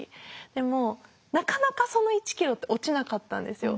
でもなかなかその１ｋｇって落ちなかったんですよ。